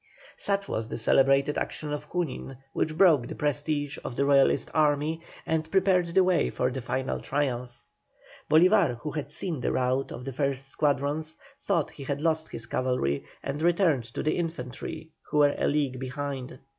Such was the celebrated action of Junin, which broke the prestige of the Royalist army, and prepared the way for the final triumph. Bolívar, who had seen the rout of the first squadrons, thought he had lost his cavalry, and returned to the infantry, who were a league behind.